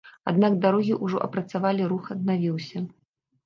Аднак дарогі ўжо апрацавалі, рух аднавіўся.